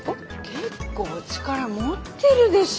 結構力持ってるでしょ